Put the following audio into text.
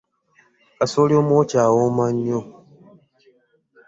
Kasooli omwokye awooma nnyo.